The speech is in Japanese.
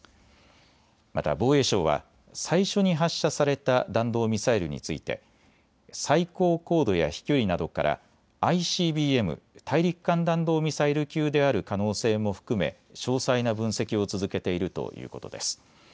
また防衛省は最初に発射された弾道ミサイルについて最高高度や飛距離などからＩＣＢＭ・大陸間弾道ミサイル級である可能性も含め詳細な分析を続けているということです。